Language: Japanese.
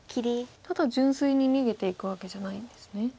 ただ純粋に逃げていくわけじゃないんですね。